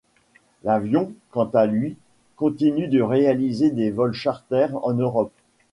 L'avion, quant à lui, continue de réaliser des vols charters en Europe.